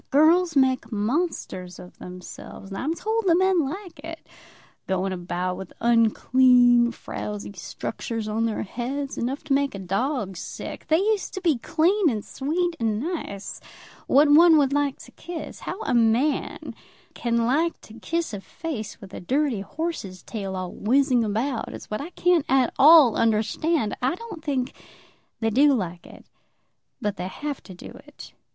Girls make monsters of themselves, and I'm told the men like it; going about with unclean, frowsy structures on their heads, enough to make a dog sick. They used to be clean and sweet and nice, what one would like to kiss. How a man can like to kiss a face with a dirty horse's tail all whizzing about it, is what I can't at all understand. I don't think they do like it, but they have to do it."